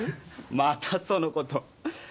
またそのこと。